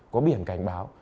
có biển cảnh báo